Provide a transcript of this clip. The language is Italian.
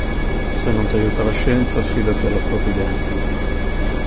Se non t'aiuta la scienza, affidati alla provvidenza.